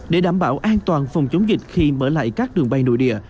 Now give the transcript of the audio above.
để đảm bảo an toàn phòng chống dịch khi mở lại các đường bay nội địa